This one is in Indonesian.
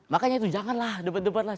makanya itu janganlah debat debat lah